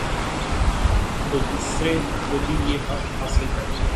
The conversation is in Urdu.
تو دوسرے کو بھی یہ حق حاصل ہے۔